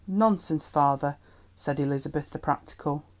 "Nonsense, father," said Elizabeth the practical.